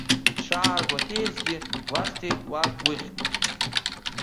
Дшааргәаҭеизгьы гәасҭеит уа гәыхьк.